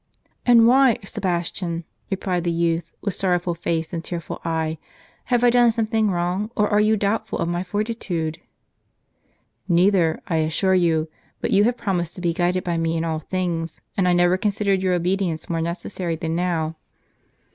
" And why, Sebastian ?" replied the youth, with sorrowful face and tearful eye. " Have I done something wrong, or are you doubtful of my fortitude ?" "JSTeither, I assure you. But you have promised to be guided by me in all things, and I never considered your obedi ence more necessary than now."